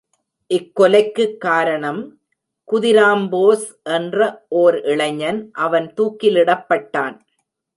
இக்கொலைக்குக் காரணம், குதிராம்போஸ் என்ற ஓர் இளைஞன் அவன் தூக்கிலிடப்பட்டான்!